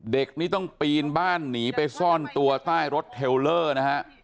เด็กนี้ต้องปีนบ้านหนีไปซ่อนตัวใต้รถเทลเลอร์นะฮะ